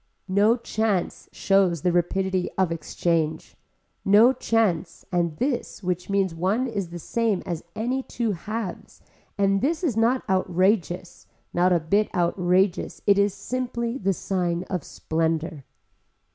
No chance shows the rapidity of exchange, no chance and this which means one is the same as any two halves and this is not outrageous, not a bit outrageous it is simply the sign of splendor.